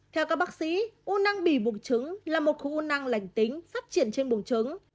theo các bác sĩ u năng bì bùng trứng là một khu u năng lành tính phát triển trên bùng trứng